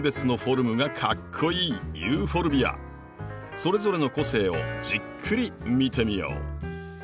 それぞれの個性をじっくり見てみよう。